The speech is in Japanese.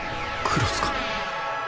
クロスか？